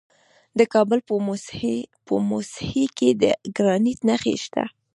د کابل په موسهي کې د ګرانیټ نښې شته.